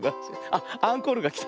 あっアンコールがきた。